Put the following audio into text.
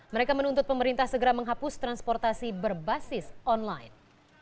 mereka menuntut pemerintah segera menghapus transportasi berbasis online